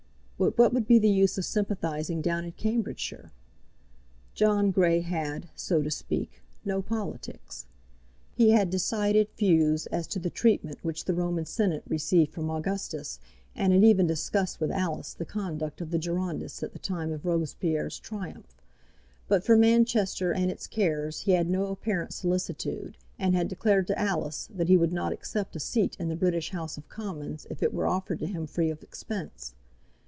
But what would be the use of sympathizing down in Cambridgeshire? John Grey had, so to speak, no politics. He had decided views as to the treatment which the Roman Senate received from Augustus, and had even discussed with Alice the conduct of the Girondists at the time of Robespierre's triumph; but for Manchester and its cares he had no apparent solicitude, and had declared to Alice that he would not accept a seat in the British House of Commons if it were offered to him free of expense.